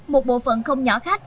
một bộ phận không nhỏ khác